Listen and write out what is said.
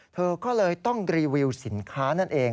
เธอก็เลยต้องรีวิวสินค้านั่นเอง